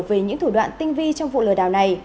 về những thủ đoạn tinh vi trong vụ lừa đảo này